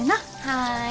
はい。